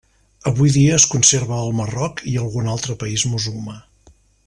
Avui dia es conserva al Marroc i algun altre país musulmà.